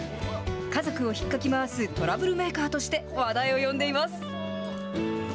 家族をひっかき回すトラブルメーカーとして話題を呼んでいます。